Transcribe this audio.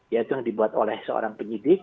yaitu yang dibuat oleh seorang penyidik